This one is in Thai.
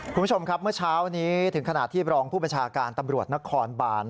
คุณผู้ชมครับเมื่อเช้านี้ถึงขนาดที่รองผู้บัญชาการตำรวจนครบาน